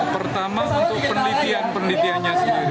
pertama untuk penelitian percandian